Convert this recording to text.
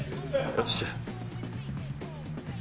よっしゃ。